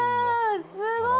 すごい。